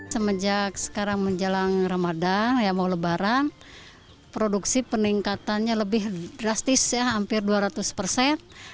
semenjak sekarang menjelang ramadan ya mau lebaran produksi peningkatannya lebih drastis ya hampir dua ratus persen